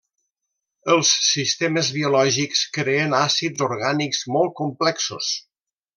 Els sistemes biològics creen àcids orgànics molt complexos.